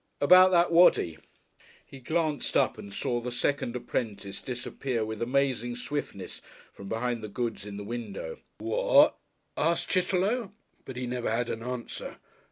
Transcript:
"About that Waddy ?" He glanced up and saw the second apprentice disappear with amazing swiftness from behind the goods in the window. "What?" asked Chitterlow, but he never had an answer.